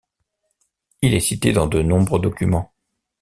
Il est cité dans de nombreux documents.